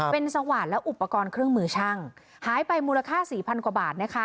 เป็นสวาดและอุปกรณ์เครื่องมือช่างหายไปมูลค่าสี่พันกว่าบาทนะคะ